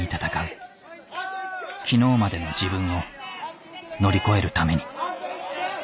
昨日までの自分を乗り越えるために。